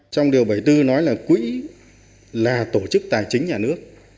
trong điều bảy mươi bốn nói là quỹ là tổ chức tài chính nhà nước